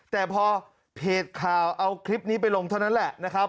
แต่พอเพจข่าวเอาคลิปนี้ไปลงเท่านั้นแหละนะครับ